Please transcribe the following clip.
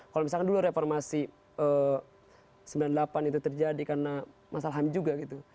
kalau misalkan dulu reformasi sembilan puluh delapan itu terjadi karena masalah ham juga gitu